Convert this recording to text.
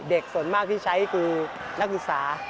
ส่วนมากที่ใช้คือนักศึกษา